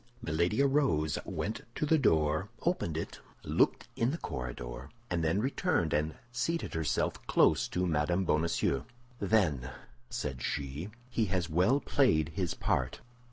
Milady arose, went to the door, opened it, looked in the corridor, and then returned and seated herself close to Mme. Bonacieux. "Then," said she, "he has well played his part."